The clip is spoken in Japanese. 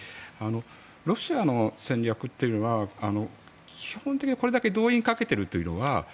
ロシアの戦略というのは基本的に、これだけ動員かけているというのは